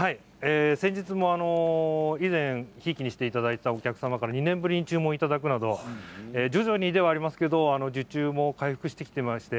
先日も以前、ひいきにしていただいたお客様から２年ぶりに注文をいただくなど、徐々にですけれど受注も回復してきています。